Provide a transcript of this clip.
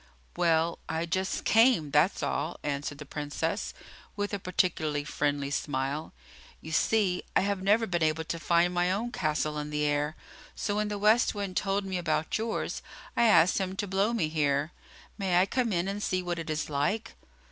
"Well, I just came, that's all," answered the Princess, with a particularly friendly smile. "You see, I have never been able to find my own castle in the air, so when the West Wind told me about yours I asked him to blow me here. May I come in and see what it is like?"